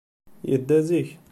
Yedda zik.